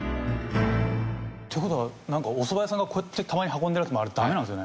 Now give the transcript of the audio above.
っていう事はなんかおそば屋さんがこうやってたまに運んでるやつもあれダメなんですね。